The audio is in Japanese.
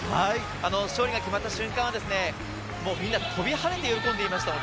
勝利が決まった瞬間は、みんな飛び跳ねて喜んでいました。